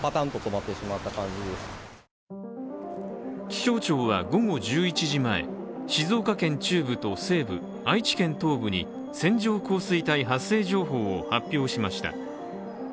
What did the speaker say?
気象庁は午後１１時前、静岡県中部と西部愛知県東部に線状降水帯発生情報を発表しました。